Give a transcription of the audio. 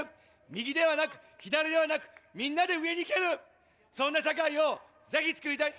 右ではなく左ではなく、みんなで上に行ける、そんな社会をぜひ作りたい。